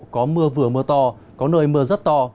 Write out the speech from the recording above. có mưa vừa mưa to có nơi mưa rất to